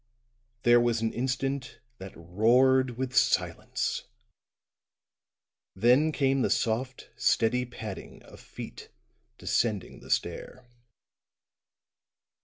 There was an instant that roared with silence; then came the soft, steady padding of feet descending the stair.